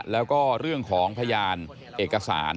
แล้วก็เรื่องของพยานเอกสาร